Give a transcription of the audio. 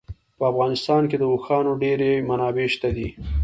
په افغانستان کې د اوښانو ډېرې منابع شته دي.